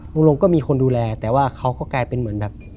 ลงก็มีคนดูแลแต่ว่าเขาก็กลายเป็นเหมือนแบบ